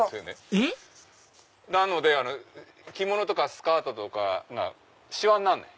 えっ？なので着物とかスカートとかがシワにならない。